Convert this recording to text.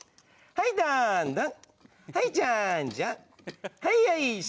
はいどんどん。